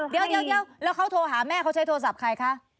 เดี๋ยวแล้วเขาโทรหาแม่เขาใช้โทรศัพท์ใครคะ